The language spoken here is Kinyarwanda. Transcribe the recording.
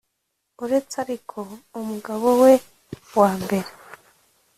uretse ariko umugabo we wa mbere